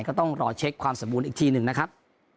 ก็ต้องรอเช็คความสมบูรณ์อีกทีหนึ่งนะครับ